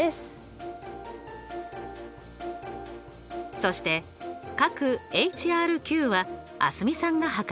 そして角ＨＲＱは蒼澄さんが測ります。